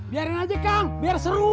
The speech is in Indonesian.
biarin aja kang biar seru